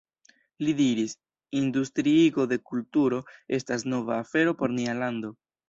Li diris: Industriigo de kulturo estas nova afero por nia lando.